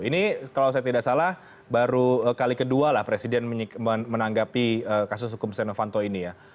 ini kalau saya tidak salah baru kali kedua lah presiden menanggapi kasus hukum setia novanto ini ya